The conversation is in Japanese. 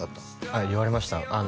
はい言われました